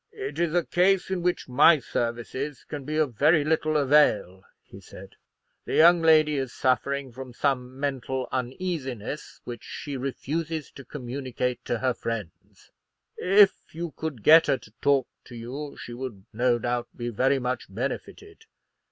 "It is a case in which my services can be of very little avail," he said; "the young lady is suffering from some mental uneasiness, which she refuses to communicate to her friends. If you could get her to talk to you, she would no doubt be very much benefited.